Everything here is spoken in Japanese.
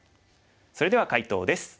それでは解答です。